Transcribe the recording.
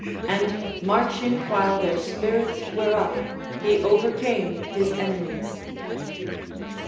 And marching while their spirits were up, he overcame his enemies.